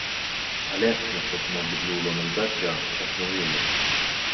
Għalhekk minflok ma biddlulhom il-gaġġa, ċekknuhielhom.